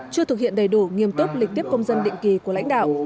chưa thực hiện đầy đủ nghiêm túc lịch tiếp công dân định kỳ của lãnh đạo